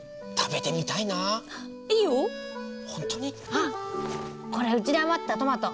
あっこれうちで余ったトマト！